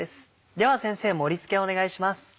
では先生盛り付けお願いします。